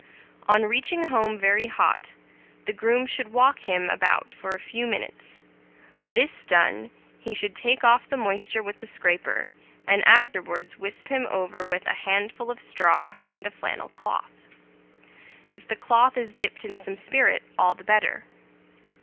On reaching home very hot, the groom should walk him about for a few minutes; this done, he should take off the moisture with the scraper, and afterwards wisp him over with a handful of straw and a flannel cloth: if the cloth is dipped in some spirit, all the better.